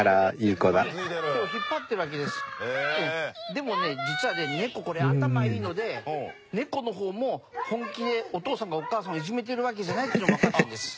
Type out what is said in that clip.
でもね実は猫これ頭いいので猫の方も本気でお父さんがお母さんをいじめてるわけじゃないっていうのもわかってるんです。